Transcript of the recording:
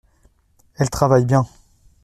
Elle travaille bien.